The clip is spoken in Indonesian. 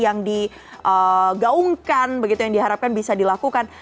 yang digaungkan begitu yang diharapkan bisa dilakukan